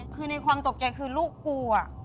คือในความตกใจคือลูกกู